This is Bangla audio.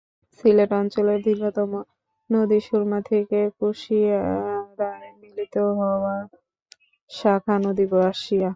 সিলেট অঞ্চলের দীর্ঘতম নদী সুরমা থেকে কুশিয়ারায় মিলিত হওয়া শাখা নদী বাসিয়া।